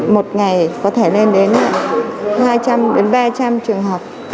một ngày có thể lên đến hai trăm linh đến ba trăm linh trường học